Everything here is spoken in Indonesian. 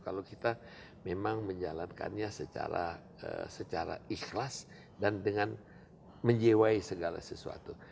kalau kita memang menjalankannya secara ikhlas dan dengan menjiwai segala sesuatu